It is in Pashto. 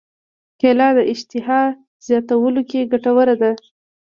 کېله د اشتها زیاتولو کې ګټوره ده.